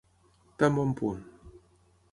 Tan bon punt.